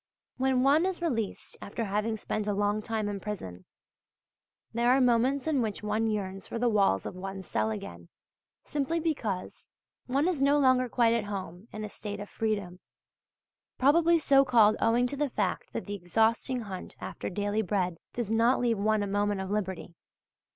When one is released after having spent a long time in prison, there are moments in which one yearns for the walls of one's cell again, simply because one is no longer quite at home in a state of freedom probably so called owing to the fact that the exhausting hunt after daily bread does not leave one a moment of liberty.